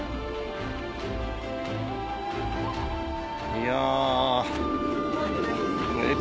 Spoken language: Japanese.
いや。